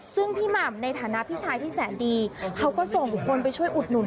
ซึ่งพี่หม่ำในฐานะพี่ชายที่แสนดีเขาก็ส่งบุคคลไปช่วยอุดหนุน